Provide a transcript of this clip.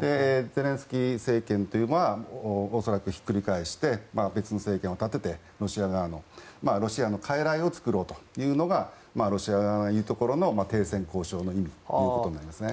ゼレンスキー政権というのは恐らくひっくり返して別の政権を立ててロシア側のロシアのかいらいを作ろうというのがロシア側が言うところの停戦交渉の意味ということになりますね。